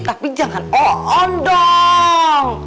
tapi jangan on dong